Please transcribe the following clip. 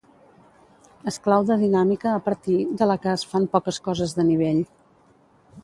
Esclau de dinàmica a partir de la que es fan poques coses de nivell